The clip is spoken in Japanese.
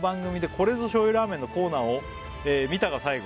「これぞ醤油ラーメンのコーナーを見たが最後」